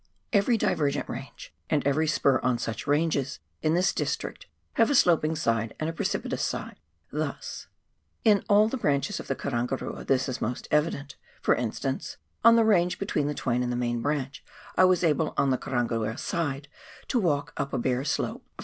Every divergent range and every spur on such ranges in this district have a sloping side and a precipitous side, thus — In all the branches of the Karangarua this is most evident ; for instance, on the range between the Twain and main branch I was able, on the Karangarua side, to walk up a bare slope of 256 PIONEER WORK IN THE ALPS OF NEW ZEALAND.